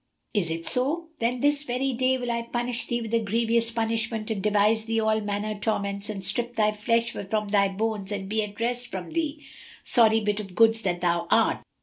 "Is it so?: then this very day will I punish thee with a grievous punishment and devise thee all manner torments and strip thy flesh from thy bones and be at rest from thee, sorry bit of goods that thou art!"